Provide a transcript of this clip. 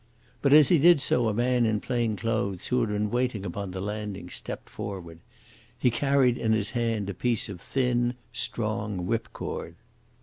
But as he did so a man in plain clothes, who had been waiting upon the landing, stepped forward. He carried in his hand a piece of thin, strong whipcord.